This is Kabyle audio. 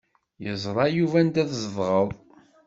Iẓra Yuba anda tzedɣeḍ.